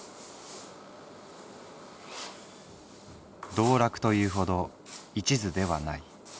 「道楽と言うほど一途ではない。